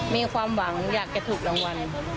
มีความหวังอยากจะถูกรางวัล